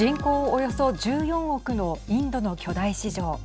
およそ１４億のインドの巨大市場。